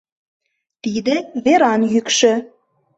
Тиде Веран йӱкшӧ.